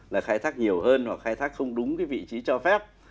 là khai thác nhiều hơn hoặc khai thác không đúng cái vị trí cho phép